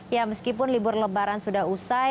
ya meskipun libur lebaran sudah usai